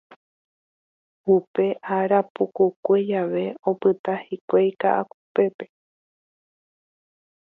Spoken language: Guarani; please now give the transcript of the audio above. Upe ára pukukue javeve opyta hikuái Ka'akupépe.